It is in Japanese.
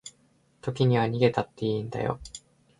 時には逃げたっていいんだよ